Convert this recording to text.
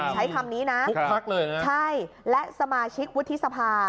ใช้คำนี้นะทุกพักเลยนะใช่และสมาชิกวุฒิสภา